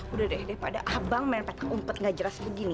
udah deh pada abang main pakai umpet gak jelas begini